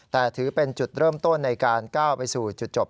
แต่ถือเป็นจุดเริ่มต้นในการก้าวไปสู่จุดจบ